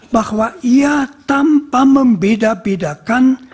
bahwa ia tanpa membeda bedakan